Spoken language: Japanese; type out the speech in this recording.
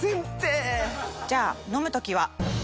じゃあ飲む時は？